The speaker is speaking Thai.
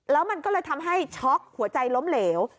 แล้วมันก็เลยทำให้ช็อกหัวใจล้มเหลว